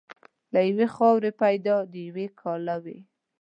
له یوې خاورې پیدا د یوه کاله وې.